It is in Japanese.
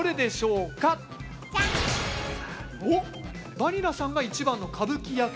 バニラさんが１番の歌舞伎役者。